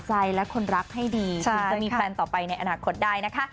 ก็อย่าพูด